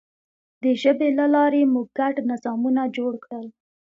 د ژبې له لارې موږ ګډ نظامونه جوړ کړل.